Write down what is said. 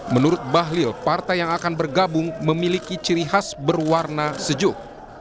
menurut bahlil partai yang akan bergabung memiliki ciri khas berwarna sejuk